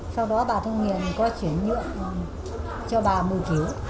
sau đó bà thông hiền có chuyển nhựa cho bà mùi kiểu